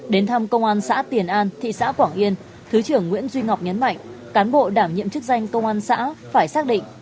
đến thăm công an xã tiền an thị xã quảng yên thứ trưởng nguyễn duy ngọc nhấn mạnh cán bộ đảm nhiệm chức danh công an xã phải xác định